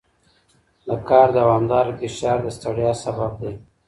د کار دوامداره فشار د ستړیا سبب دی.